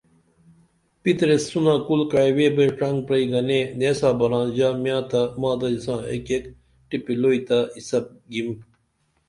پِتریس سُنہ کُل کعی ویبئی ڇنگ پرئی گنے نیسا بران ژا میاں تہ ما ددی ساں ایک ایک ٹیپی لوئی تہ اِسب گیم